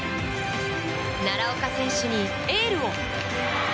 奈良岡選手にエールを！